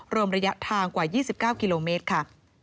รวมระยะทางกว่า๒๙กิโลเมตรค่ะ